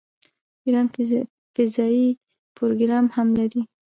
ایران فضايي پروګرام هم لري.